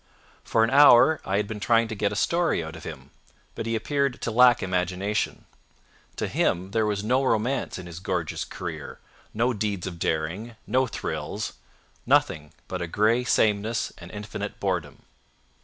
For an hour I had been trying to get a story out of him, but he appeared to lack imagination. To him there was no romance in his gorgeous career, no deeds of daring, no thrills—nothing but a gray sameness and infinite boredom.